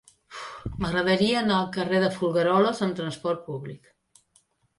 M'agradaria anar al carrer de Folgueroles amb trasport públic.